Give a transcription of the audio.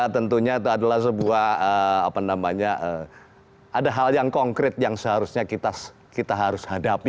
tentunya itu adalah sebuah apa namanya ada hal yang konkret yang seharusnya kita harus hadapi